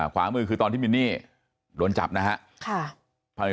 ขวามือคือตอนที่มินนี่โดนจับนะฮะ